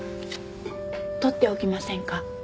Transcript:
取っておきませんか？